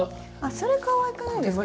それかわいくないですか？